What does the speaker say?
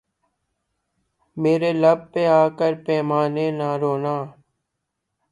میرے لب پہ آ کر پیمانے نہ رونا